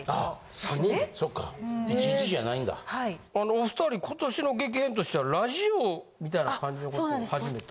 お２人今年の激変としてはラジオみたいな感じのことを始めた。